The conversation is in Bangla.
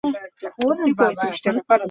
বলিনি ঘর সংসার পেতে বসবার আশা কোরো না?